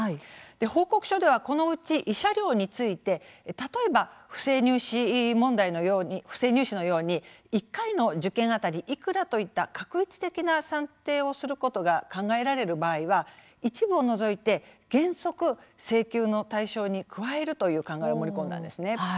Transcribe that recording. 報告書ではこのうち慰謝料について例えば不正入試のように１回の受験当たりいくらといった画一的な算定をすることが考えられる場合は一部を除いて原則請求の対象に加えるという考えを盛り込んだんです。